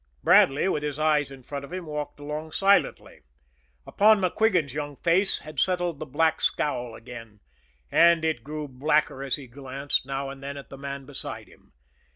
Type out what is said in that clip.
Bradley, with his eyes in front of him, walked along silently. Upon MacQuigan's young face had settled the black scowl again; and it grew blacker as he glanced, now and then, at the man beside him.